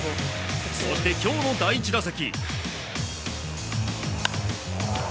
そして今日の第１打席。